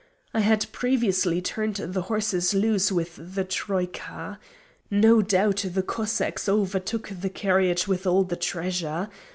I had previously turned the horses loose with the troïka. No doubt the Cossacks overtook the carriage with all the treasure.